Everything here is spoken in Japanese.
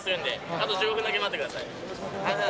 あと１５分だけ待ってください。